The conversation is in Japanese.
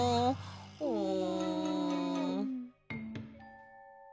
うん。